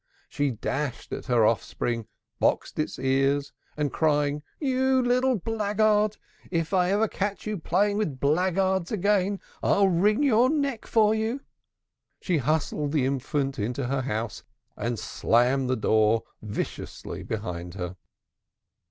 She dashed at her offspring, boxed its ears and crying, "You little blackguard, if I ever catch you playing with blackguards again, I'll wring your neck for you," she hustled the infant into the house and slammed the door viciously behind her.